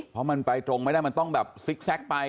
เพราะมันไปตรงไม่ได้มันต้องแบบซิกแก๊กไป